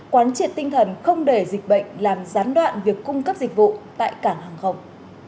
quán triệt tinh thần không để dịch bệnh làm gián đoạn việc cung cấp dịch vụ tại cảng hàng không